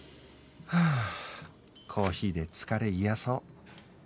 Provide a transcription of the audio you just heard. はあコーヒーで疲れ癒やそう